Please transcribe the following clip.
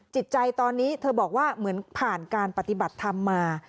จิตใจตอนนี้เธอบอกว่าเหมือนผ่านการปฏิบัติธรรมมา